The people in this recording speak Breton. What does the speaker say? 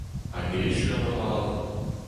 Hag echu an abadenn.